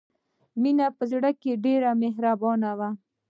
مینه په زړه کې ډېره مهربانه وه